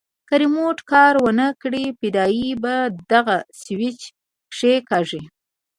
که ريموټ کار ونه کړي فدايي به دغه سوېچ کښېکاږي.